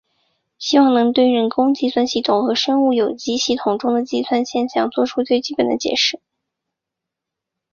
希望能对人工计算系统和生物有机体系统中的计算现象做出最基本的解释。